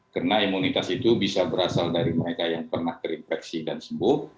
karena imunitas itu bisa berasal dari mereka yang pernah terinfeksi dan sembuh